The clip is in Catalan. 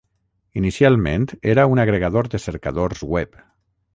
Inicialment era un agregador de cercadors web.